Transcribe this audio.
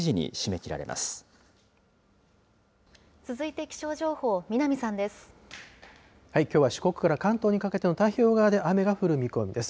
きょうは四国から関東にかけての太平洋側で雨が降る見込みです。